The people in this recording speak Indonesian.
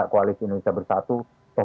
koalisi indonesia bersatu